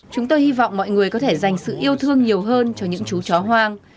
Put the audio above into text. chúng tôi hy vọng mọi người có thể dành sự yêu thương nhiều hơn cho những chú chó hoang